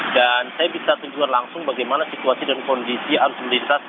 dan saya bisa tunjukkan langsung bagaimana situasi dan kondisi arus melintas